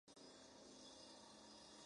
Cuando Raiden supo de esto, desapareció.